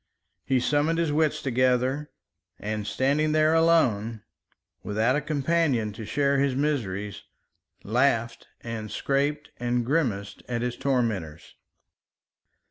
He summoned his wits together and standing there alone, without a companion to share his miseries, laughed and scraped and grimaced at his tormentors.